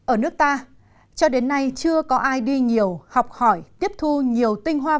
ở nước ta cho đến nay chưa có ai đi nhiều học hỏi tiếp thu nhiều tinh hoa văn